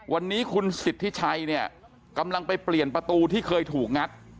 วันนี้คุณสิทธิชัยเนี่ยกำลังไปเปลี่ยนประตูที่เคยถูกงัด